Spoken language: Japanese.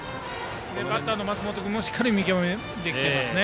バッターの松本君もしっかり見極めができています。